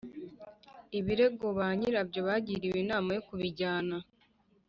Ibirego ba nyirabyo bagiriwe inama yo kubijyana